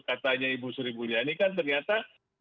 katanya ibu sri mulyani kan ternyata